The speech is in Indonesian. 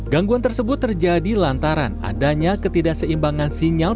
gangguan tersebut terjadi lantaran adanya ketidakseimbangan sinyal